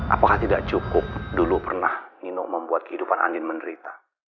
apakah tidak cukup dulu pernah nino membuat kehidupan andin menderita